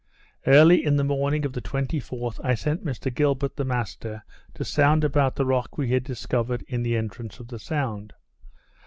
Early in the morning of the 24th, I sent Mr Gilbert the master to sound about the rock we had discovered in the entrance of the sound.